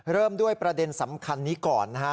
เริ่มด้วยประเด็นสำคัญนี้ก่อนนะฮะ